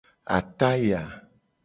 Ataya.